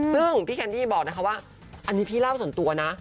ซึ่งพี่แคนดี้บอกนะคะว่าอันนี้พี่เล่าส่วนตัวนะ